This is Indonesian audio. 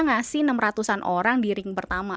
ngasih enam ratus an orang di ring pertama